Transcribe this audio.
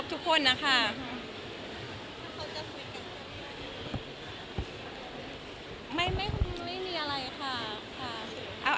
ไม่ควรไม่มีอะไรค่ะ